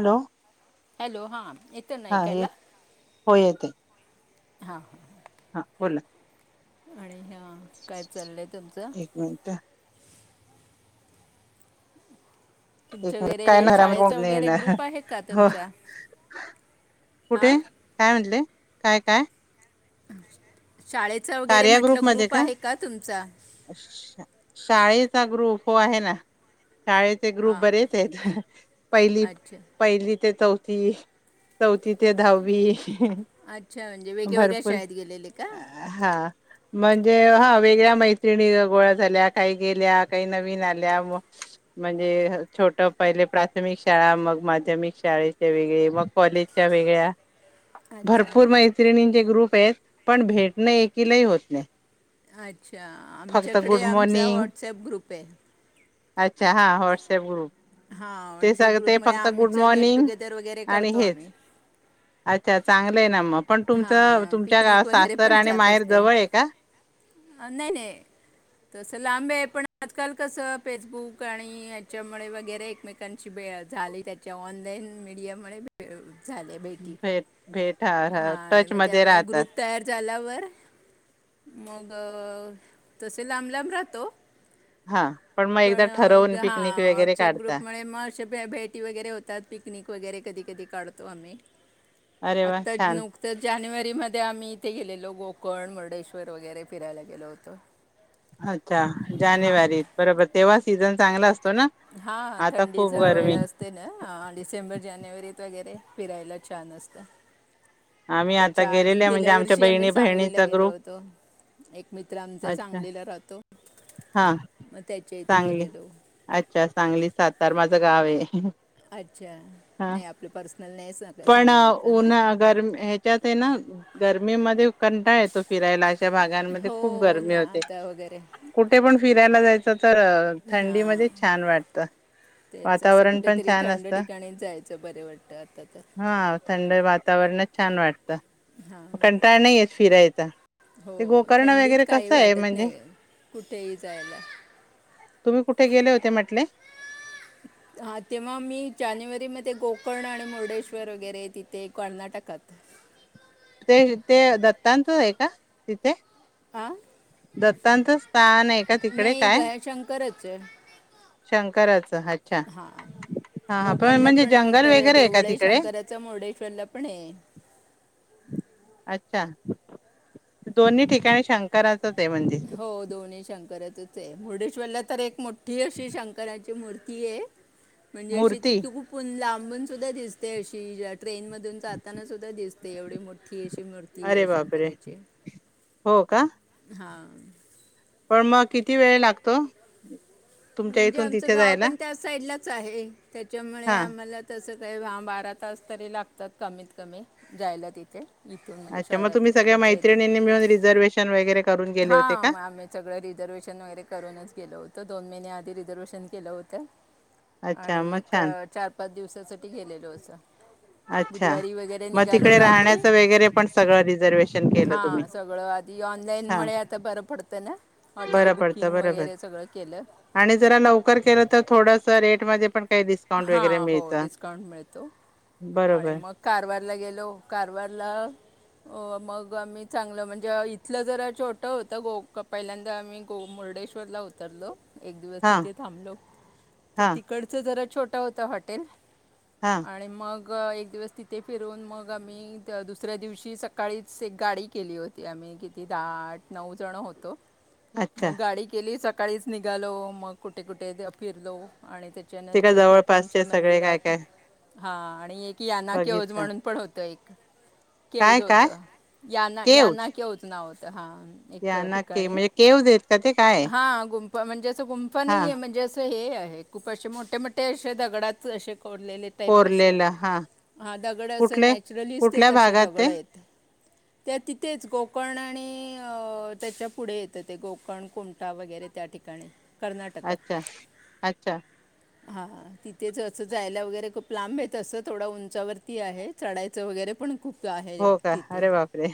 Hello. Hello.. हां. येतं ना हाय.. ऐकायला हो येतेय. हा.. हा. हा बोला? आणि ह्या हा.. काय चाललय तुमच? एक मिनिट ते तुमचं खरय.. वगैरे काय हे नरम शाळेचा वगैरे येणा ग्रुप आहे का हो तुमचा हां कुठे काय म्हंटले? काय? काय? [inaudible] शाळेचा वगैरे कार्या म्हटलं ग्रुपमध्ये ग्रुप आहे का तुमचा? चा ग्रुप हो.. आहे ना. शाळेचे ग्रुप बरेच आहेत ह.. ह.. पहिलीत अच्छा पहिलीत ते चौथी. चौथी ते दहावी हि. ह. अच्छा म्हणजे ह वेगवेगळ्या भरपूर. शाळेत गेलेले का हा म्हणजे हा वेगळ्या मैत्रिणी गोळ्या झाल्या काही गेल्या काही नवीन आल्या मह्.. म्हणजे छोटं पहिले प्राथमिक शाळा मग माध्यमिक शाळेच्या वेगळे मग कॉलेजच्या वेगळ्या. अच्छा भरपूर मैत्रिणींचे ग्रुप पये.. पण भेट नाही एकीलाही होत नाही. अच्छा फक्त आमच्याकडे गुड आमचा मॉर्निंग व्हॉटसअप ग्रुप आहे. अच्छा हा हॉट्सअप ग्रुप. हा ते व्हॉट्सअप सग ग्रुप ते मुळे फक्त गुड आमचं गेट मॉर्निंग टुगेदर वगैरे आणि करतो आम्ही. प्लेन न मग. पण तुमच हां तुमच्या गा.. पिकनिक सा. वगैरे पण जात असते. ना.. आजकाल कसं फेसबुक आणि याच्यामुळे वगैरे एकमेकांशीे भेट झाली त्याच्या ऑनलाईन मीडियामुळे भेट. अअअ भेट भेट हा. हा आणि टच मग मध्ये त्यामुळे राहतात ग्रुप तयार झाल्यावर मग - - अ तसे लांब लांब राहतो. हा मग एकदा पण ठरवून हा पिकनिक वगैरे वॉट्सअप काढता ग्रुप म मग भेटी वगैरे होतात. पिकनिक वगैरे कधी कधी - - काढतो आम्ही. अरे वा! अड. छान नुकतंच ज- - जानेवारी मध्ये आम्ही इथे गेलेलो गोकर्ण, मुर्डेश्वर वगैरे फिरायला गेलो होतो. अच्छा जानेवारीत बरोबर तेव्हा सीझन चांगला अस - - हा थंडीचा वेळ असते ना हा हा डिसेंबर जानेवारीत वगैरे - - फिरायला छान असतं. आम्ही आता त्याच्या आधी गेलेले म्हणजे गेल्या आमच्या वर्षी आम्ही बहिणी सांगलीला बहिणीचा गेलो ग्रुप होतो. एक मित्र आमचा अच्छा सांगलीला राहतो. हा मग त्याच्या इथे सांगली गेलेलो अच्छा - - सांगली सातार माझं गावयं. अच्छा हा नाही आपलं पर्सनल नाही सांग पण सांगू नका हां उन्ह गरम ह्याच्यात हैना गर्मीमध्ये कंटाळा येतो फिरायला अशा भागांमध्ये हो खूप हो गर्मी ना होते. आता वगैरे कुठे पण फिरायला जायचं तर थंडी हां मध्येच छान वाटत. तेच असं वातावरण पण कुठेतरी छान थंड असत. ठिकाणी जायचं बरं वाटतं आता तर हा थंड वातावरणात छान वाटतं. हां ता. कंटाळ नाहीयेत फिरायचा हो ते गोकर्ण थंडीत वगैरे काही कसं आहे वाटत म्हणजे? नाही कुठेही जायला. गले होते म्हटले. हा तेव्हा मी जानेवारी मध्ये कोकर्ण आणि मुर्डेश्वर वगैरे तिथे कर्नाटकात. ते ते दत्तांत आहे का तिथे? हा दत्तांचं स्थान आहे का तिकडे नाही काय ग शंकरच शंकराचं अच्छा हा हा हा गोकणला म्हणजे पण जंगल मोठं वगैरे का देऊळ आहे. तिकडे शंकराच मुर्डेश्वरला पण है. अच्छा दोन्ही ठिकाणी शंकरा - - हो दोन्ही शंकरातच है मुर्डेश्वरला - - तर एक मोठ - - ठ्ठी अशी शंकराची- - मूर्ती है - - म्हणजे अशी ती मूर्ती [unintelligible] लांब थांबून सुद्धा दिसते अशी ट्रेन मधून जाताना सुद्धा दिसते एवढी मोठठी - - ही अशी मूर्ती अरे आहे बापरे शंकराची. हो का? हां. पण मग किती वेळ लागतो तुमच्या म्हणजे इथून आमचं तिथे गाव जायला पण त्या साईडला च आहे त्याच्यामुळे हा आम्हाला तसं ह बारा तास तरी लागतात कमीत कमी जायला तिथे इथून म्हणजे अच्छा मग तुम्ही शहरातून सगळ्या आमच्या इथून मैत्रिणींनी मिळून रिझर्वेशन वगैरे करून गेले होते हा का म आम्ही सगळं रिझर्वेशन वगैरे करूनच गेलो होत दोन आधी रिझर्वेशन केलं होतं अच्छा आणि मग एक छान चार पाच दिवसासाठी गेलेलो असं अच्छा बुधवारी वगैरे मग निघालो तिकडे रात्री राहण्याचं वगैरे पण सगळं रिझर्वेशन केलं हा तुम्ही सगळं आधी हा ऑनलाईनमुळे आता बरं पडत ना हॉटेल बरं पडतं बुकिंग बरोबर वगैरे सगळं केलं आणि जरा लवकर केलं तर थोडस रेटमध्येध्ये पण काही डिस्काउंट वगैरे हां हो मिळतं डिस्काउंट मिळतो आणि बरोबर मग कारवारला गेलो कारवारला मग आम्ही चांगलं म्हणजे इथलं जर छोटं होतं गो पहिल्यांदा आम्ही ग मुर्डेश्वरला उतरलो एक दिवस हा तिथे थांबलो तर हा तिकडचं जरा छोटं होतं हॉटेल हा आणि मग मग एक दिवस तिथे फिरून मग आम्ही दुसऱ्या दिवशी सकाळीच एक गाडी केली होती आम्ही किती दहा आठ नऊ जण होतो अच्छा मग गाडी केली सकाळी काळीच निघालो मग कुठे कुठे द्या फिरलो. आणि ते त्याच्यानं काय जवळपासचे सगळे काय काय. हा आणि एक की यांना केहज बघितलं म्हणून पण होतं एक काय केवज काय होतं याना केव यांना केहज नाव त हां एक या ना के ठिकाणी म्हणजे केव देत का ते काय आहे? हा गुंफ म्हणजे असं गुंफा नाही हा आहे म्हणजे असं हे आहे. नाही खूप अशे मोठे मोठ ते असे दगडाच असे फोडलेले टाईप असे कोरलेलं हा हा दगड असं कुठले नॅचरलीच ते कुठल्या तसेे भागात ते दगड आहेत. त्या तिथेच कोकण आणि अ त्याच्या पुढे येतं ते गोकर्ण कुमटा वगैरे त्या ठिकाणी. कर्नाटकात अच्छा अच्छा. हा हा तिथेच असं जायला वगैरे खूप लांब आहे तसं थोड उंचावरती आहे चढायचं वगैरे पण खूप आहे हो का तिथे अरे बापरे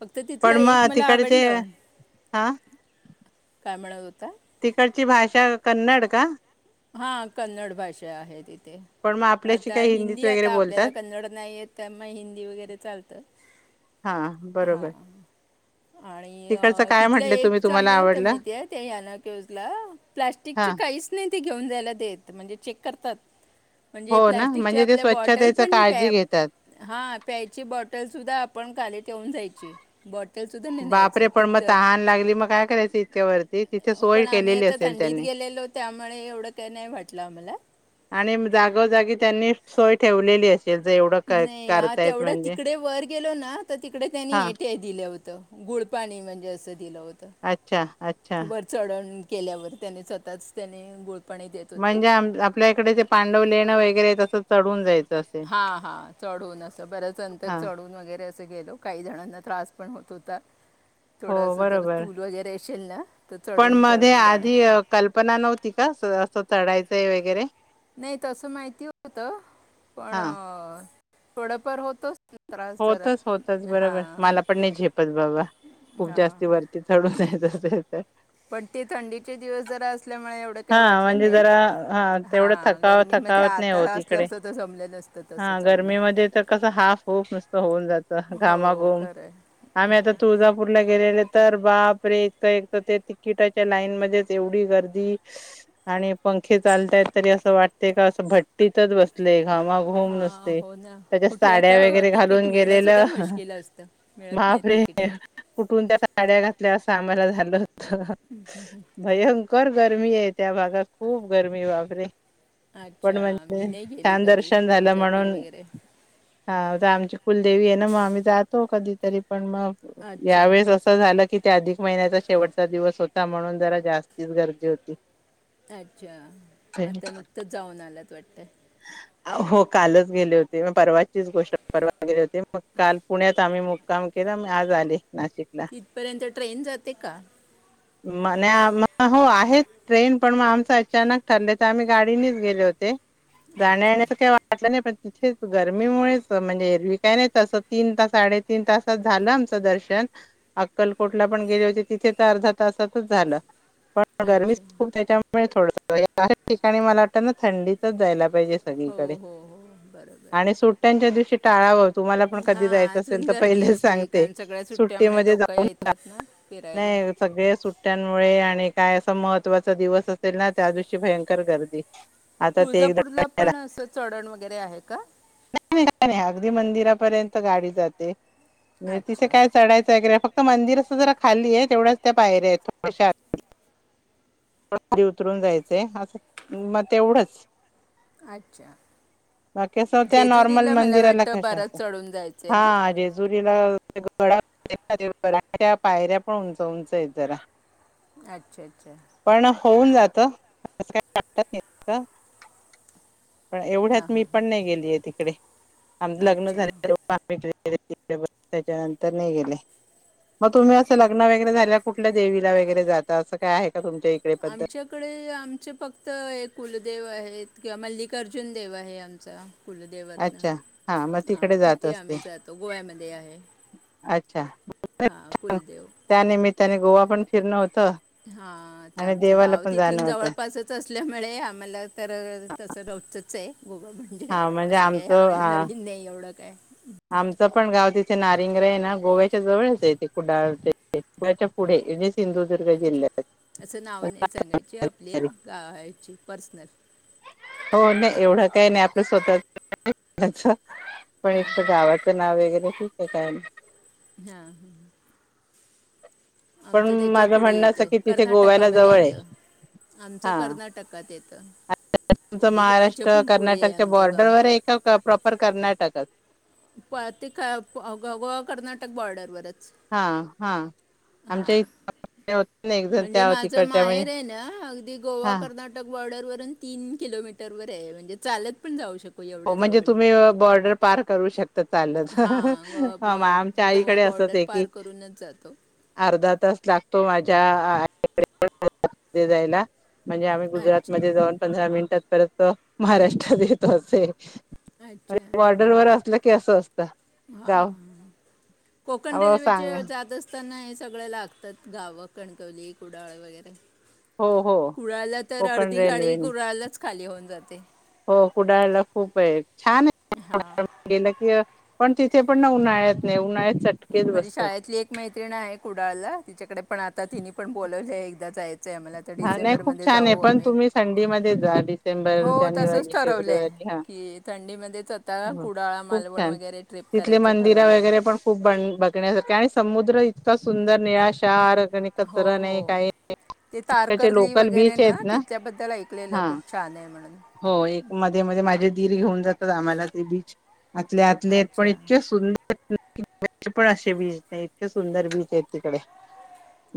फक्त तिथलं पण एक मग मला तिकड चे आवडलं अ काय म्हणत होता? तिकडची भाषा कन्नड का? हा कन्नड भाषा आहे ति मग पण आपल्याशी आता काही हिंदीत हिंदी वगैरे आता आपल्याला बोलतात. कन्नड नाही येत त्यामुळे हिंदी वगैरे चालत हा हा बरोबर आणि तिकडचं काय तिथलं म्हटले एक तुम्ही तुम्हाला चांगलं होत आवडलं? माहिती आहे त्या याना केव्हजला प्लास्टिक हा च काहीच नाही ती घेऊन जायला देत म्हणजे चेक करतात. म्हणजे हो ना प्लस्टिकच्या म्हणजे ते आपल्या बॉटल स्वच्छतेच पण काळजी प्या घेतात. हा प्यायची बॉटल सुद्धा आपण खाली ठेवून जाय बट बापरे पण मग तहान लागली मग काय करायच इतक्या वरती? तिथे सोय पण आम्ही केलेली आता असेल थंडीत त्यांनी. गेलेलो त्यामुळे एवढं काही नाही वाटलं आम्हाला आणि म जागोजागी त्यांनी सोय ठेवलेली हे. नाही हा तेवढं तिकडे वर गेलो ना तर तिकडे त्यांनी हा एटीआय दिलं होतं. गुळपाणी म्हणजे असं दिलं होत अच्छा अच्छा वर चढण केल्यावर त्याने स्वतःच त्याने गुळ म्हणजे आम आपल्या इकडे जे पांडव लेणं वगैरे तसंच चढून जाई हा हा चढून असं बरंच नंतर हा चढून वगैरे च गेलो. काही जणांना त्रास पण होत होता. हो थोडं असं जर बरोबर चूल वगैरे असेल ना तर पण चढून मध्ये चढून जाणं आधी कल्पना नव्हती का अस चढाय ते वगैरे नाही तसं माहिती होत पण हां. अ... थोडं फार होतच होतच होतच बरोबर मला पण नाही झेपत बाबा खुप हां जास्ती वरती चढुन जायच [unintelligible] अन् ऎंटिलेजेबल पण ते थंडीचे दिवस जरा असल्यामुळे एवढं हा काही वाटलं म्हणजे नाही जरा हा तेवढं हां थकाव गरमीमध्ये थकावत नाही आता होत असलं इकडे असतं तर जमलं नसतं तसं हा चढणं गर्मीमध्ये तर कसं हाफ हुफ नुसत होऊन जातं हो घामाघुम खरं आहे आम्ही आता तुळजापुरला गेलेले तर बापरे एक एक तर ते तिकिटाच्या लाईन मध्येच एवढी गर्दी. आणि पंखे चालतयत तरी असं वाटते का असं भट्टीतच बसत घामा घूम हा नसते हो ना त्याच्या कुठे आता साड्या वगैरे तिकीट घालून मिळणं सुद्धा गेलेलं मुश्किल असतं मिळत नाही महाबरे तिकीट कुठून त्या साड्या घातल्या अस कामाला झालं होत. भयंकर गरमी आहे त्या भागात खूप गरमी बापरे पण अच्छा मी म्हणजे नाही गेली छान कधी दर्शन झालं तुळजापूर म्हणून वगैरे हा आमची कुलदेवी आहे ना मग आम्ही जातो कधी तरी पण मग अच्छा यावेेळेस असं झालं की त्या अधिक महिन्याचा शेवटचा दिवस होता म्हणून जरा जास्तीच गर्दी होती. ते अच्छा आता नुकतंच जाऊन आलात वाटत. आ हो कालच गेले होते मग परवाचीच गोष्ट परवा गेली होती मग काल पुण्यात आम्ही मुक्काम केलं आज आले नाशिकला तिथ पर्यंत ट्रेन जाते का? म हो आहेत. ट्रेन पण मग आमचं अचानक ठरले तर, आम्ही गाडीनेच गेले होते. अच्छा जाण्याऐण्याच काही वाटलं नाही पण. तेच, गरमीमुळेच म्हणजे एरवी काय नाही तसं तीन तास साडे तीन तासात झालं आमचं दर्शन अक्कलकोटला पण गेले होते तिथे तर अर्धा तासातच झाल. अच्छा त्याच्यामुळे थोड अश ठिकाणी मला आता न थंडीतच जायला. हो, हेच तर आहे हो सगळीकडे हो हो बरोबर आणि सुट्ट्यांच्या दिवशी टाळावं तुम्हाला पण कधी हां जायचं असेल अजून तर गर्दी पहिलेच असते सांगते कारण सगळ्या सुट्ट्यामुळे सुट्टीमध्ये लोक जाऊ नका. येतात ना फिरायला नाही, सगळे सुट्ट्यांमुळे. आणि काय असा महत्त्वाचा दिवस असेल ना त्या दिवशी भयंकर गर्दी. आता ते तुळजापूरला एकदा पण अस चढण वगैरे आहे का? अगदी मंदिरापर्यंत गाडी जाते. नाही तिथे अच्छा काय चढायचं वगैरे फक्त. मंदिर असं जरा. खाली आहे तेवढ्याच त्या बाहेर आहेत थोडश उतरून जायचंय असं मग तेवढंच. अच्छा.. बाकी असं त्या नॉर्मल जेजुरीला मला मंदिराला वाटत कशा बरात असं चढून जायचय ना? हा [unintelligible] पायऱ्या पण उंच उंच येत जरा. अच्छा.. अच्छा. पण होऊन जात तस पण एवढ्यात.. हां मी हां पण नाही गेलीये तिकडे. आणि हां लग्न अच्छा झाल त्याच्या नंतर नही गेली. मग तुम्ही अस अच्छा लग्न वैगेरे झाल्यावर कुठल्या देवीला वैगेरे जाता अस काय आहे? का तुमच्या इकडे पद्धत आमच्याकडे आमचे फ कुलदेव आहेत की मल्लिकार्जुन देव आहे आमचा. कुलदेवातनं अच्छा.. हा मग हां तिकडे जात तिथे असते. आम्ही जातो गोव्यामध्ये आहे अच्छा.. हां कुलदेव त्यानिमित्ताने गोवा पण फि फिरण होत. हा.. आता आमचं गाव जाणं तिथून होतं जवळपासच असल्यामुळे आम्हाला तर तस रोजचच चे गोवा म्हणजे असं काय.. आम्हाला नवीन नाही एवढ? काय? आमच पण गाव तिथे नारिंगर ना? गोव्याच्या जवळच आहे. पुढे सिंधुदुर्ग जिल्ह्यात अस नाव नाही सांगायची. आपली गा.. याची पर्सनल. हो.. नाही. एवढ काय नाही? आपल स्वतः पण हां एक गावाच नाव वगैरे ठीके चालेल. हा.. ह्म्म. आमच पण त्याच्या माझं पुढे म्हणणं येत. असं की तिथे गोव्याला कर्नाटकामध्ये जवळ आहे येत. आमच कर्नाटकात येत. त तुमच महाराष्ट्र कर्नाटकच्या आमचं गाव बॉर्डरवरये का? प्रॉपर कर्नाटकच. प ते गोवा कर्नाटक बॉर्डरवरच. हा हा हा.. आमच्या इथे होत ना एक जण म्हणजे त्या माझ तिकडच्या म्हणजे माहेरये ना अगदी गोवा हा कर्नाटक बॉर्डरवर तीन किलोमीटर वरये. म्हणजे चालत पण जाऊ शक हो.. म्हणजे.. तुम्ही बॉर्डर पार करू शकता? चाल हां गो म.. आमच्या गो- गोवा आईकडे बॉर्डर असचये. की पार करूनच जातो अर्धा तास लाग हो.. माझ्या... जायला. म्हणजे आम्ही अच्छा गुजातमध्ये जाऊन पंधरा मिनट त्यात परत महाराष्ट्रात येतो अस छः अच्छा ह असतं ह हा गाव हा कोकण हो रेल्वेचे सांगा जादा स्त तर ना हे सगळं लागतात गावं कणकवली कुडाळ वगैरे हो हो. कुडाळला तर कोकण अर्धी गाडी रेल्वेने कुडाळलाच खाली होऊन जाते हो कुडाळला खूप आहे छान अ. अ. हां वाटतं गेलं कि पण तिथे पण ना उन्हाळ्यात नाही उन्हाळ्यात चा.. माझी शाळेतली एक मैत्रिणी आहे कुडाळला तिच्याकडे पण आता तिने पण बोलावले एकदाच जायचं आहे आम्हाला तर हा नाही खूप डिसेंबरमध्ये छान आहे जाऊ पण आम्ही तुम्ही संडे मध्ये जा ब हो तसंच जानेवारी. ठरवलं आहे फेब्रवारी ह. की थंडीमध्येच आता कुडाळा खूप मालवण छान आहेत वगैरे ट्रिप तिथली करायचं मंदीरं ठरवलं आहे वगैरे पण खूप बघण्यासारखी समद... तो इतका सुंदर नियाशार आणि हो कचरा हो नाही काय नाही ते तारकर्ली वगैरे ना तिथचल्याबद्दल ऐकलेलं हा खूप छान आहे. म्हणून हो एक मध्ये मध्ये माझे दीर घेऊन जातात आम्हाला ते बीच आतल्या आतले पण अच्छा इतके सुंदर. पण इकडचे पण असे बीच नाही इतके सुंदर बीच आहेत तिकडे.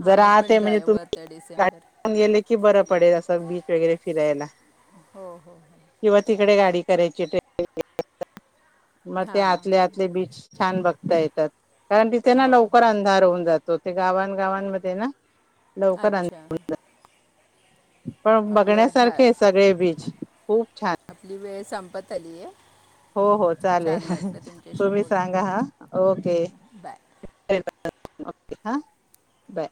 जरा आम्ही आत पण आहे म्हणजे जाऊ तुम्ही वरत डिसेंबर. गाडीतून गेले की बरं पडेल असं बीच वगैरे फिरायला. हो हो हो. इकडे गाडी करायची ती ई. ओ. आ. आ. मग ते आतले हां आतले बीच छान बघते. येतात. कारण तिथे ना हो लवकर हो अंधार होऊन जातो ते गावां गावांमध्ये ना लवकर अच्छा अंधार होऊन जातो. पण आपल्या झा बघण्यासारखे सगळे बीच खूप छान. आपली वेळ संपत आलीय. हो हो चालेल हं हं तुमच्याशी तुम्ही सांगा बोलून हा ओके बाय बाय. ओके हा बाय.